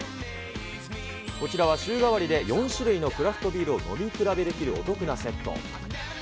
こちらは週替わりで４種類のクラフトビールを飲み比べできるお得なセット。